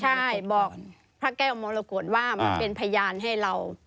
ใช่บอกพระแก้วมรกฏว่ามาเป็นพยานให้เรา